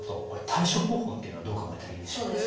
これ対処方法っていうのはどう考えたらいいでしょう？